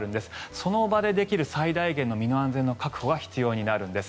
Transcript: その場でできる最大限の身の安全の確保が必要になるんです。